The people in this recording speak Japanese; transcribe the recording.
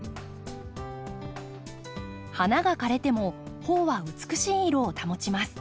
花が枯れても苞は美しい色を保ちます。